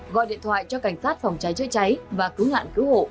gọi điện thoại cho cảnh sát phòng cháy chữa cháy và cứu nạn cứu hộ